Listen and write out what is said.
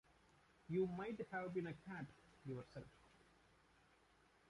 You might have been a cat yourself.